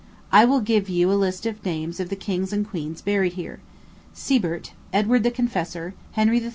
I will just give you a list of names of the kings and queens buried here Sebert, Edward the Confessor, Henry III.